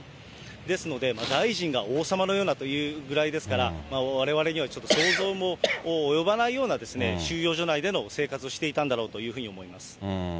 ですので、大臣が王様のようなというぐらいですから、われわれにはちょっと想像も及ばないような、収容所内での生活をしていたんだろうと思います。